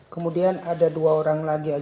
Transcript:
kemudian ada dua orang lagi